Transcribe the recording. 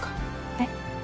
えっ？